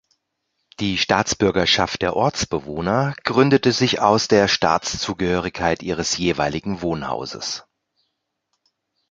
Die Staatsbürgerschaft der Ortsbewohner gründete sich aus der Staatszugehörigkeit ihres jeweiligen Wohnhauses.